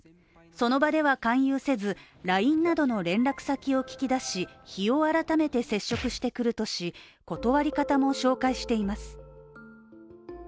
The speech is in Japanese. その場では勧誘せずＬＩＮＥなどの連絡先を聞き出し、日を改めて接触してくるとし、断り方も紹介しています。